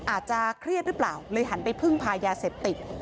อาจจะเครียดหรือเปล่าเลยหันไปพึ่งพายาเสพติด